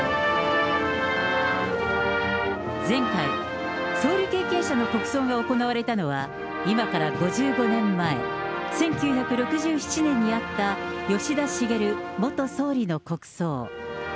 前回、総理経験者の国葬が行われたのは、今から５５年前、１９６７年にあった吉田茂元総理の国葬。